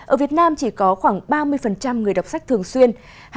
ở việt nam chỉ có khoảng ba mươi người đọc sách thường xuyên